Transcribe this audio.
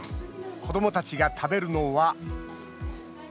子どもたちが食べるのは。